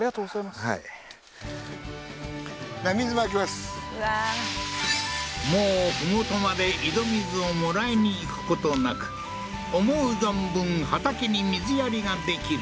そううわーもう麓まで井戸水をもらいに行くことなく思う存分畑に水やりができる